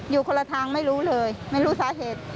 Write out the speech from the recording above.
อยู่คนละทางไม่รู้เลยไม่รู้สาเหตุ